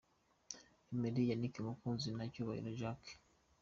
Emery, Yannick Mukunzi na Cyubahiro Jacques.